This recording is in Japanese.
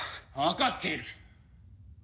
わかっている！